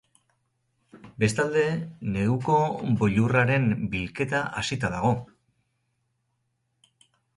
Bestalde, neguko boilurraren bilketa hasita dago.